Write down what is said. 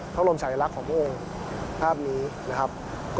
พระบรมชายลักษณ์ของพระองค์ภาพนี้นะครับ